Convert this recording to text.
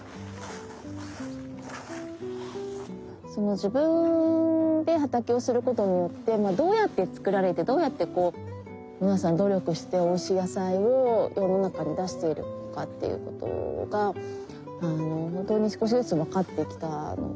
自分で畑をすることによってどうやって作られてどうやってこう皆さん努力しておいしい野菜を世の中に出しているのかっていうことが本当に少しずつ分かってきたので。